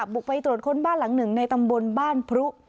บุกไปตรวจค้นบ้านหลังหนึ่งในตำบลบ้านพรุ